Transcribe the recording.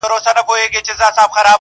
ه ياره ځوانيمرگ شې مړ شې لولپه شې,